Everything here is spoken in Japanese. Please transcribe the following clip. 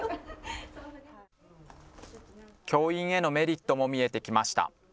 教員へのメリットも見えてきました。